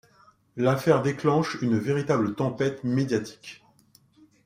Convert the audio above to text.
L'affaire déclenche une véritable tempête médiatique.